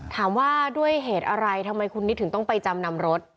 ถามว่าด้วยเหตุอะไรทำไมคุณนิดถึงต้องไปจำนำรถ